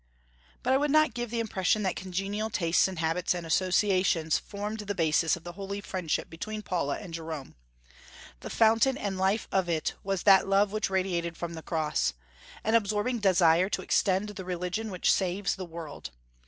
But I would not give the impression that congenial tastes and habits and associations formed the basis of the holy friendship between Paula and Jerome. The fountain and life of it was that love which radiated from the Cross, an absorbing desire to extend the religion which saves the world.